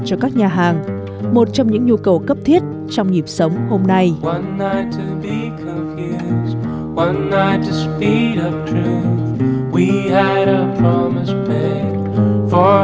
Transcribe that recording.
chuyên nghiệp hơn trong việc cung cấp bánh ngọt cho các nhà hàng một trong những nhu cầu cấp thiết trong nghiệp sống hôm nay